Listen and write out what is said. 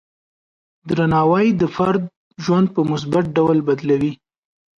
درناوی د فرد ژوند په مثبت ډول بدلوي.